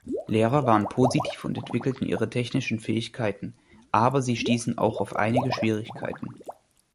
Lehrer waren positiv und entwickelten ihre technischen Fähigkeiten, aber sie stießen auch auf einige Schwierigkeiten.